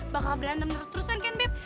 bakal berantem terus terusan kan bed